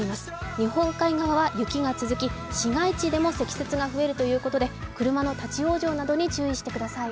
日本海側は雪が続き、市街地でも積雪が増えるということで、車の立往生などに注意してください。